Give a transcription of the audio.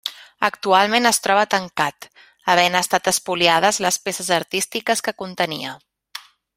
Actualment es troba tancat, havent estat espoliades les peces artístiques que contenia.